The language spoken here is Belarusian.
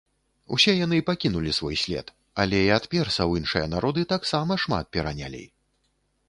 Усе яны пакінулі свой след, але і ад персаў іншыя народы таксама шмат перанялі.